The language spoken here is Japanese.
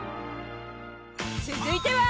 ［続いては］